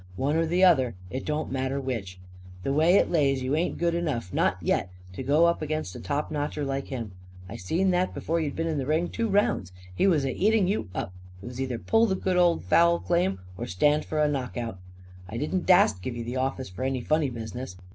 One or the other. It don't matter which. The way it lays, you ain't good enough not yet to go up against a top notcher like him. I seen that before you'd been in the ring two rounds. He was a eating you up. It was either pull the good old foul claim or stand for a knock out. I didn't dast give you the office for any funny business.